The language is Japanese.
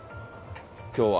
きょうは。